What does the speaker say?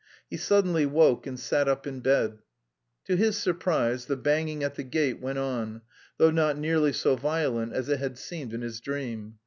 He suddenly woke and sat up in bed. To his surprise the banging at the gate went on, though not nearly so violent as it had seemed in his dream.